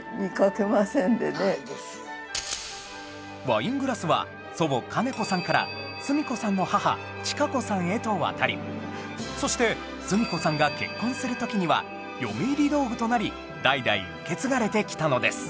ワイングラスは祖母兼子さんから純子さんの母鄰子さんへと渡りそして純子さんが結婚する時には嫁入り道具となり代々受け継がれてきたのです